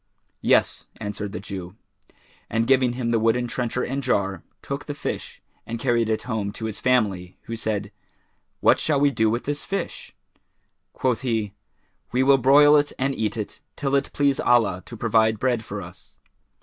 "Yes," answered the Jew; and, giving him the wooden trencher and jar, took the fish and carried it home to his family, who said, "What shall we do with this fish?" Quoth he, "We will broil it and eat it, till it please Allah to provide bread for us."